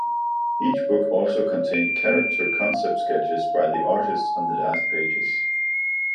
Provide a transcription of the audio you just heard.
Each book also contained character concept sketches by the artists on the last pages.